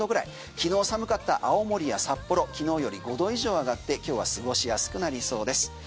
昨日寒かった青森や札幌昨日より５度以上上がって今日は過ごしやすくなりそうです。